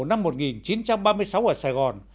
năm một nghìn chín trăm ba mươi sáu ở sài gòn